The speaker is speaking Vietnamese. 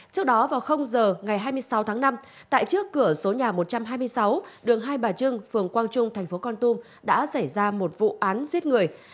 trước đó vào giờ ngày hai mươi sáu tháng năm tại trước cửa số nhà một trăm hai mươi sáu đường hai bà trưng phường quang trung thành phố con tum đã xảy ra một vụ án giết người